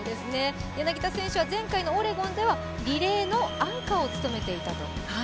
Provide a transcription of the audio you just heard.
柳田選手は前回のオレゴンではリレーのアンカーを務めていたと。